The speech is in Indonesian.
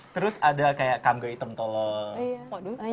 terus ada kayak kamgai item tolong